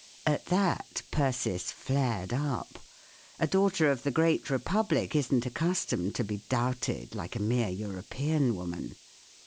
At that Persis flared up. A daughter of the great republic isn't accustomed to be doubted like a mere European woman.